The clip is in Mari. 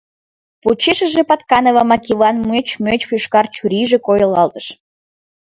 Почешыже Патканова Макеван мӧч-мӧч йошкар чурийже койылалтыш.